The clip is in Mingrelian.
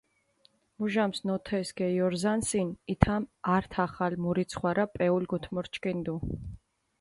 მუჟამს ნოთეს გეიორზანსინ, ითამ ართ ახალ მურიცხი ვარა პეული გუთმორჩქინდუ.